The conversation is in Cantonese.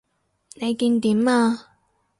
你見點啊？